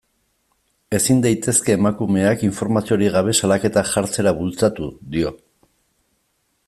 Ezin daitezke emakumeak informaziorik gabe salaketak jartzera bultzatu, dio.